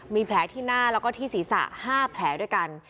มีแผลที่หน้าแล้วก็ที่ศีรษะ๕แผลด้วยกัน